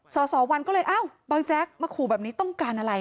สสวันก็เลยอ้าวบางแจ๊กมาขู่แบบนี้ต้องการอะไร